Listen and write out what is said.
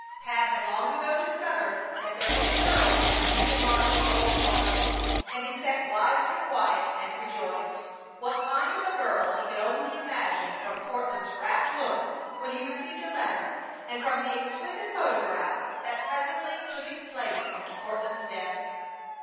Pat had long ago discovered that there was a girl at Stephen Marshall's old home, and he sat wisely quiet and rejoiced. What kind of a girl he could only imagine from Courtland's rapt look when he received a letter, and from the exquisite photograph that presently took its place on Courtland's desk.